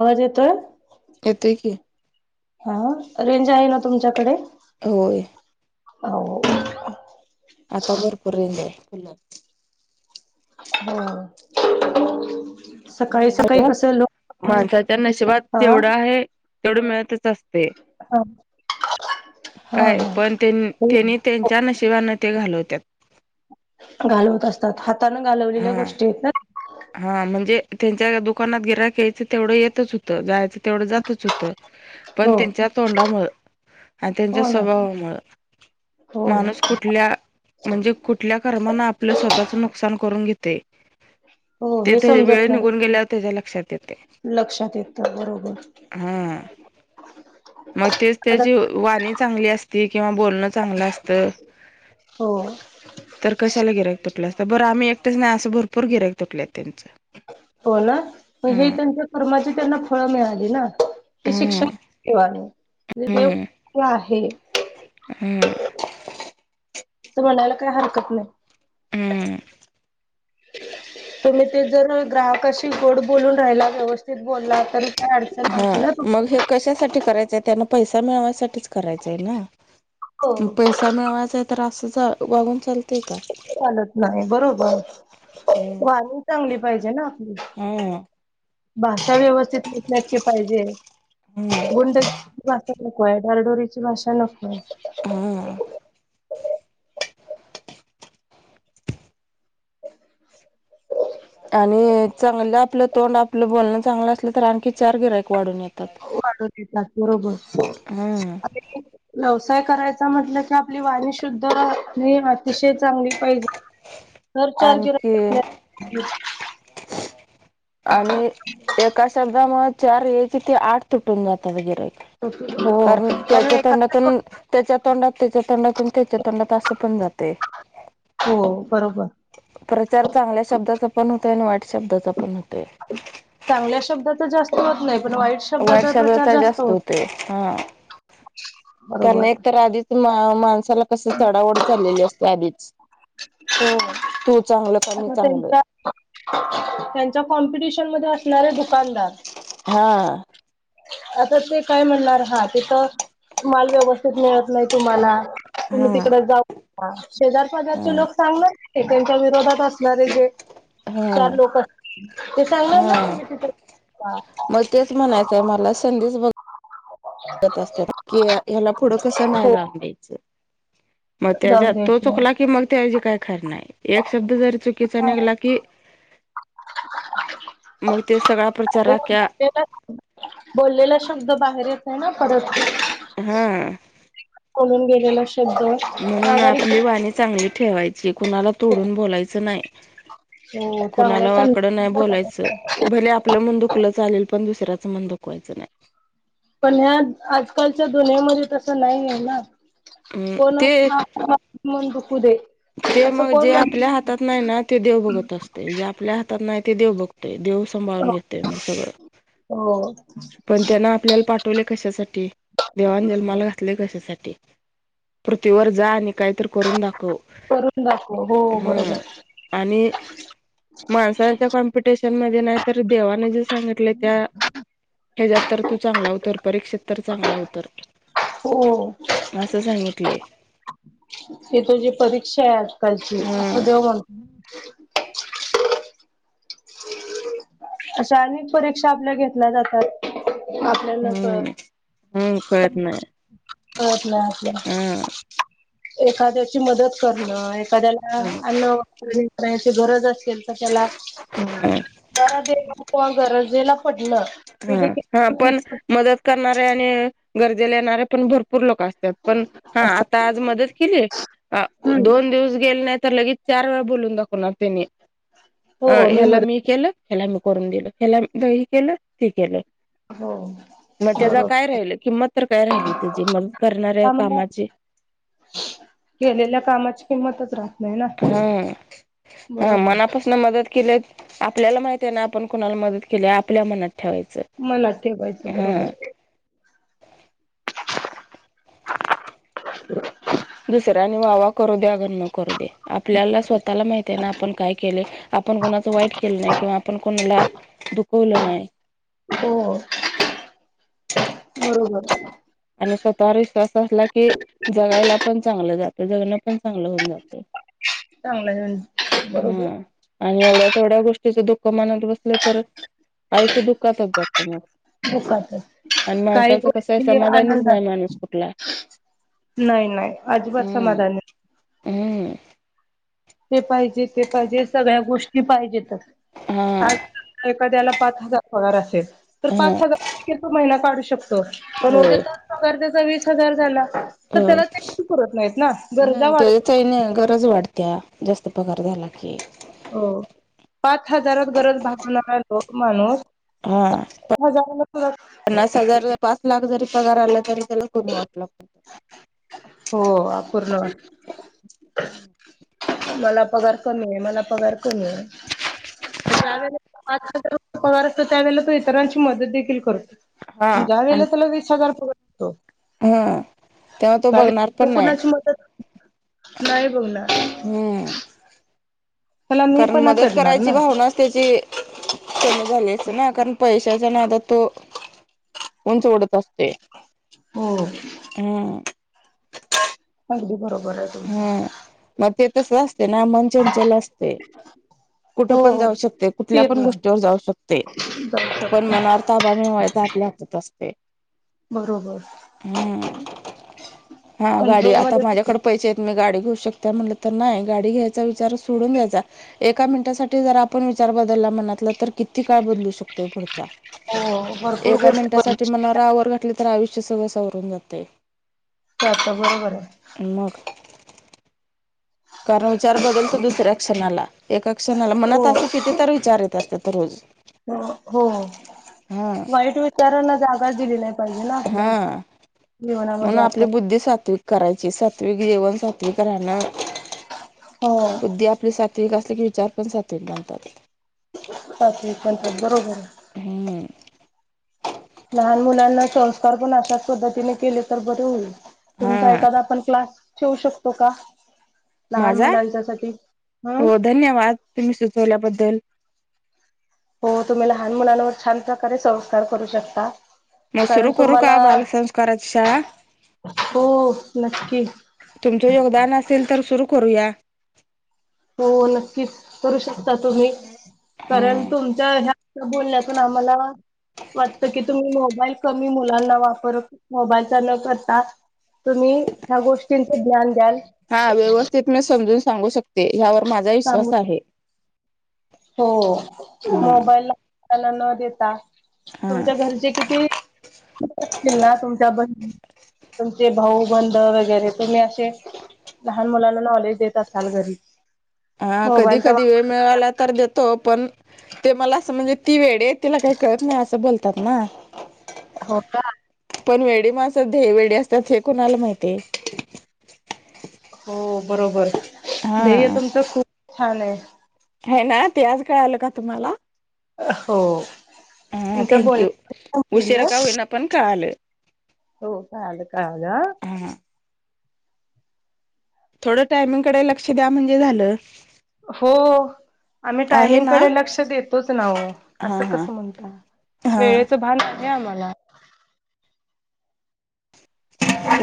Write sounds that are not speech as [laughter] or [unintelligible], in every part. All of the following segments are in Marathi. आवाज येतोय. येतय की हा रेंज आहे ना तुमच्याकडे? होय. हाऊ. आता भरपूर [unintelligible] फुल. हम. माणसाच्या नशिबात हा जेवढ आहे तेवढं मिळतच अस ते हा हा काय हा पण तेन त्यांनी त्यांच्या नशिबन ते घालवत्यात. घालवत असतात हातानं घालवलेल्या हा. गोष्टी आहेत ना हा म्हणजे त्यांच्या दुकानात गिराक्यायचं तेवढं येतच होतं जायचं तेवढं जातच होतं. पण हो त्यांच्या तोंडामुं आणि त्यांच्या हो ना स्वभावामु हो कुठल्या म्हणजे कुठल्या कर्माना आपलं स्वतःच नुकसान करून घेते. हो ते हे ते समजत वेळ निघून गेल्यावर त्याच्या लक्षात येते नाही लक्षात येत तर बरोबर [inaudible] हा. मग तेच आता त्याची वाणी चांगली असती किंवा बोलणं चांगलं असतं. हो. तर कशाला गिरायक तुटलं अस तर बरं आम्ही एकटच नाही असं भरपूर गिरायक तुटले आहेत त्यांचं. हो ना मग हे हं त्यांच्या कर्माची त्यांना फळं मिळाली ना ते हं शिक्षण ठवा म्हणजे देव कुठ आहे? हम्म असं म्हणायला काय हरकत नाही. अम्म तुम्ही ते जर ग्राहकाशी गोड बोलून राहिला व्यवस्थित बोलला तर काय अडचण हा नाही ना मग हे कशासाठी करायचंय त्यांना पैसा मिळवायसाठीच करायचं आहे हो ना पैसा मिळवायचा आहे तर असं वागून चाल चालत नाही बरोबर हं वा चांगली पाहिजे ना आपली हं भाषा व्यवस्था त्यांच्या झटके पाहिजे गुंड भाषा नकोये डरडोरीची भाषा नको आहे हं आणि चांगलं आपलं तोंड आपलं बोलणं चांगलं असलं तर आणखी चार गिरायक वाढून ये वाट देतच बरोबर हं व्यवसाय करायचा म्हटलं की आपली वाणी शुद्ध राहली अतिशय चांगली पाहिजे. घर चार जिरं आणखी फुटल्यात जुनं आणि एका शब्दामूळं चार यायची ते आठ तुटून जातात वगैरे हो कारण त्याच्या एखादा तंडातून. त्याच्या तोंडात त्याच्या तोंडातून त्याच्या तोंडात असं पण जातय. हो बरोबर प्रचार चांगल्या शब्दाचा पण होता आणि वाईट शब्दाचा पण हो चांगल्या शब्दा तर जास्त होत नाही पण वाईट शब्दाचा प्रचार जास्त होत. ते हां. कारण बरोबर. एक तर आधीच मा माणसाला कसं चडावड चाललेली असते आधीच हो. तू चांगलं का मी आता चांगलं त्यांचा, त्यांच्या कॉम्पिटिशन मध्ये असणारे दुकानदार. हा. आता ते काय म्हणणार हा तिथं माल व्यवस्थित मिळत नाही तुम्हाला. तुम्ही हा तिकड जाऊ शेजार हा बाजारचे लोक सांगले त्यांच्या विरोधात असणारे जे. हा चार लोक, ते सांगणार ना त तिथ म तेच म्हणायचंय मला संधी [unintelligible] की ह्याला पुढं कसं नाही हो जाऊन द्यायचं. मग जाऊन त्याच्या तो द्यायचं नाही. चुकला की मग त्याऐवजी काही खर नाही एक शब्द जरी चुकीचा निघला की मग ते सगळा प्रचाराख्या बोललेला शब्द बाहेर येत आहे ना परत ते. हां. कोलून गेलेला शब्द म्हणून माघारी आपली वाणी चांगली ठेवायची कुणाला तोडून बोलायचं नाही. हो चांगला कोणाला सं वाकडं नाही बोलायचं, भले आपलं म्हण दु चालेल पण दुसऱ्याचं मन दुखवायचं नाही. पण ह्या आजकालच्या दुनमध्ये तसं नाही आहे ना अम कोण अस. ते [unintelligible] मन दुखू दे ते असं मग कोण जे म्हण आपल्या हात हातात नाही ना ते देव बघत असते, जे आपल्या हातात नाही ते देव बघते देव सभाळून घेते मग सगळं. हो. पण त्यांना आपल्याला पाठवले कशासाठी देवान जन्माला घातले कशासाठी. पृथ्वीवर जा आणि काहीतरी करून दाखव करून दाखव हो बरोबर हम्म. आणि माणसाांच्या कॉम्पिटिशन मध्ये नाही तर देवाने जे सांगितले त्या. ह्याच्यात तर तू चांगला उतर, परीक्षेत तर चांगला उतर. हो. असं सांगितले. ही तुजी परीक्षा आहे आजकालची हा असं देव म्हणत अशा अनेक परीक्षा आपल्या घेतल्या जातात. आपल्याला कळत, हम्म हम्म कळत नाही कळत नाही आपल्या हा एखाद्याची मदत करणं एखाद्याला अन्न वापरणी करायची गरज असेल त्याला ह [unintelligible] गरजेला. पडलं ते हा देखील हा, पण चुकीचं मदत करणारे आणि गरजेला येणारे पण भरपूर लोक असतात. पण हा असतं. आता आज मदत केली हम्म दोन दिवस गेले नाही तर लगेच चार वेळा बोलून दाखवणार त्यांनी हो अ ह्याला मी मदत केलं हेला मी करून दिल, खला हे केलं ती केलं. हो मग त्याचा बरोबर काय राहिल किंमत तर काय राहिली त्याची म करणाऱ्या त्यामुळं कामाची. केलेल्या कामाची किंमतच राहते हा हा बरोबर मनापास मदत केली, आपल्याला माहित आहे ना आपण कोणाला मदत केली आपल्या मनात ठेवायचं. मनात ठेवायचं हा बरोबर. [inaudible] ह दुसऱ्यानी वावा करू दे अगन् न करू दे आपल्याला स्वतःला माहित आहे ना आपण काय केले. आपण कोणाचं वाईट केलं नाही, किंवा आपण कोणाला दुखवलं नाही. हो. बरोबर! आणि स्वतःवर विश्वास असला की जगायला पण चांगलं, जातं जगणं पण चांगलं होऊन जातं. चांगल आहे बरोबर. हा आणि एवढ्या तेवढ्या गोष्टीचं दुःख मनात बसलं तर, आयुष्य दुःखातच जातं मग. आणि काही माणसाचं कसं आहे गोष्टी. समाधानीच नाही आनंदात माणूस कुठला नाही, नाही अजिबात समाधान नाही. हम्. ते पाहिजे ते पाहिजे सगळ्या गोष्टी पाहिजेत हा तर आज एखाद्याला पाच हजार होणार असेल तर ह पाच हजारै तो महिना काढू शकतो. पण उद्या होय त्योच पगार त्याचा वीस हजार झाला. ह तर त्याला ते पण पुरत नाहीत ना, गरजा वाढत जात. घर गरज वाढत्या जास्त पगार झाला की हो पाच हजारात गरज भागवणार तो माणूस हा. हजाराला सुद्धा पन्नास हजार पाच लाख जरी पगार आला तरी त्याला कमी वाटला. हो अपूर्ण वा मला पगार कमी ये, मला पगार कमी ये. ज्या वेळेला, आज पगार असतो, त्यावेळेला तो इतरांची मदत देखील हा करतो. ज्या आणि वेळेला त्याला वीस हजार पगार असतो. हा तेव्हा बघणार तो पण नाही कोणाची मदत नाही बघ ना. हम्. त्याला मी कारण पणा मदत चढणार करायची ना. भावनाच त्याची. कमी झालीच ना कारण पैशाच्या नादात तो उंच उडत असतो. हो. हम्म. अगदी बरोबर आहे. तुमचं. हा मग ते तस असते ना, मन चंचल असते. कुठे हो. पण जाऊ शकते, कुठल्या पण पेरलं गोष्टीवर जाऊ शकते, जाऊ पण शकते. मनावर ताबा मिळवायचा आपल्या. त तस्ते बरोबर. हम्म, हा गाडी कंट्रोल आता मध्ये माझ्याकडं ‌. पैसे आहेत मी गाडी घेऊ शकता, म्हटलं तर नाही गाडी घ्यायचा विचार सोडून द्यायचा. एका मिनिटासाठी जर आपण विचार बदलला म्हनातला तर किती काळ बदलू शकतोय पुढ हो भरपूर एका गोष्टी बन मिनटासाठी मनावर आवर घातली तर, आयुष्य सगळं सावरून जाते. त्यात बरोबर आहे. मग कारण विचार बदलतो, दुसऱ्या क्षणाला. एका क्षणाला हो. मनात असं, किती तर विचार येत असतात रोज. हो हो हा वाईट विचारांना जागा दिले नाही. पाहिजे ना हा आपल्याला. म्हणून जीवनामध्ये आपली आपण बुद्धी सात्विक करायची सात्विक जेवण, सात्विक राणं. हो. बुद्धी आपले सात्विक असले की विचार पण सात्विक बनतात. ह प बरोबर आहे. हम्म लहान मुलांना संस्कार पण अशाच पद्धतीने केले तर बरे होईल. तुमचा हा एखादा आपण क्लास ठेवू शकतो का? लहान माझा मुलांच्या सा हम. हो धन्यवाद. तुम्ही सुचवल्याबद्दल हो, तुम्ही लहान मुलांनवर छान प्रकारे संस्कार करू शकता. मग कारण सुरू करू का तुमला बालसंस्काराची शाळा हो नक्की तुमचं योगदान असेल, तर सुरु करूया. हो ना नक्कीच करू शकता तुम्ही कारण हा तुम ह्या बोलण्यातून आम्हाला वाटत की तुम्ही मोबाईल कमी मुलांना वापर मोबाईलचा न करता तुम्ही ह्या गोष्टींचं ज्ञान द्याल. हा व्यवस्थित मी समजून सांगू शकतो. सांगूच [unintelligible] हो हा मोबाईला त्यांना न देता हा तुमच्या घरचे किती? [unintelligible] असतील ना तुमच्या बहिणी तुमचे भाऊ बध वगैरे तुम्ही असे. लहान मुलांना नॉलेज देत असाल घरी हा कधी मोबाईलचा कधी वेळ वापर मिळाला तर देतो पण ते मला असं म्हणजे ती वेळेत तिला काही कळत नाही असं बोलतात ना. हो का? पण वेडी माणसं ध्येय वेडी असतात हे कुणाला माहितीय? हो बरोबर ध्येय हा. तुमचं खूप छान आहे. हे ना ते आज कळालं का तुम्हाला हो. हा तुमच्या थँक्यू उशिरा बोलण्या का होईना पण काळाल हो काळाल काळाल हा. हम्म. थोडं टायमिंगकडे लक्ष द्या म्हणजे झालं. हो आम्ही आहे ना? टायमिंगकडे लक्ष देतोच नावो हा असं हा. कस म्हणताय. वेळेच हा भान आहे आम्हाला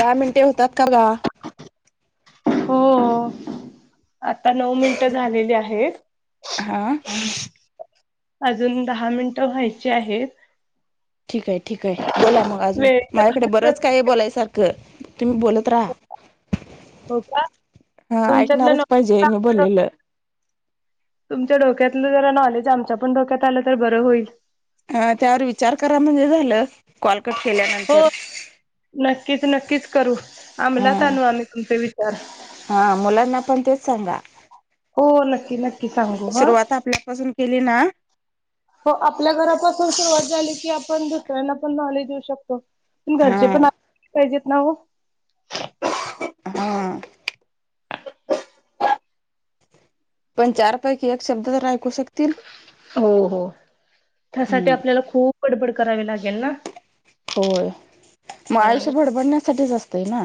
दहा मिनटे होतात का गा. हो. आता नऊ मिनिटं झालेली आहेत. हा अजून दहा मिनिटं व्हायची आहेत. ठीक आहे ठीक आहे बोला मग अजून वेळेचं माझ्याकडे भान बरंच काय प्रत्येक बोलायसारखं तुम्ही बोलत. त्रा हो का हा तुमच्यातलं नॉ ऐकणारच पाहिजे मी बोललेलं. तुमच्या डोक्यातलं जरा नॉलेज आमच्या पण डोक्यात आलं तर बरं होईल. ह त्यावर विचार करा म्हणजे झालं कॉलकट हो केल्यानंतर नक्कीच नक्कीच करू हा. आम्हालात आणू आम्ही तुमचे विचार हा मुलांना पण तेच सांगा. हो नक्की नक्की सांगू हा. सुरुवात आपल्यापासून केली ना. हो आपल्या घरापास सुरवात झाली की आपण दुसऱ्यांना पण नॉलेज देऊ शकतो. पण हा घरचे पण [unintelligible] पाहिजेत ना हो. हम्म. पण चारपैकी एक शब्द तर ऐकू शकतील. हो हो त्यासाठी हम्म आपल्याला खूप बडबड करावी लागेल ना. होय म हो. आयुष्य बडबडण्यासाठीच असतय ना.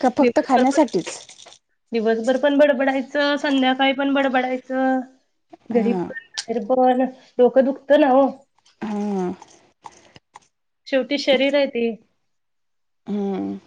का फक्त खाण्यासाठीच दिवसभर पण बडबडायचं संध्याकाळी पण बडबडायचं. हा घरीपन बाहेरपन डोक दुःख त ना हो. हम्म. शेवटी शरीर आहे ते हम्म.